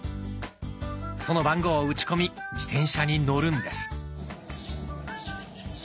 その番号を打ち込み自転車に乗るんです。